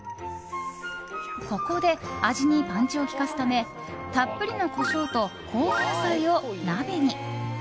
ここで味にパンチを利かすためたっぷりのコショウと香味野菜を鍋に。